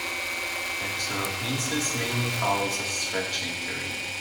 Axonotmesis mainly follows a stretch injury.